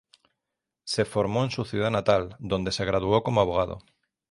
Se formó en su ciudad natal, donde se graduó como abogado.